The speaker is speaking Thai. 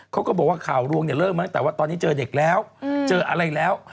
เขาก็บอกว่าข่าวรวงเนี่ยเริ่มมาตั้งแต่ว่าตอนนี้เจอเด็กแล้วเจออะไรแล้ว